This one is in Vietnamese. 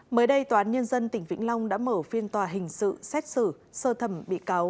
mới đây tòa án nhân dân tỉnh vĩnh long đã mở phiên tòa hình sự xét xử sơ thẩm bị cáo